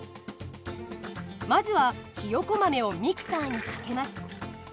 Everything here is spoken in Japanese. まずはひよこ豆をミキサーにかけます。